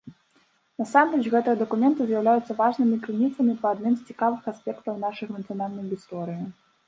Насамрэч, гэтыя дакументы з'яўляюцца важнымі крыніцамі па адным з цікавых аспектаў нашай нацыянальнай гісторыі.